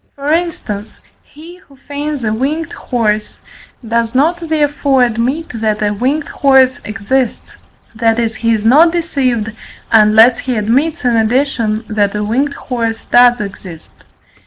For instance, he who feigns a winged horse, does not therefore admit that a winged horse exists; that is, he is not deceived, unless he admits in addition that a winged horse does exist.